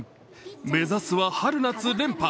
目指すは春夏連覇。